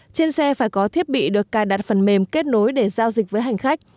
trên xe phải có thiết bị được cài đặt phần mềm kết nối để giao dịch với hành khách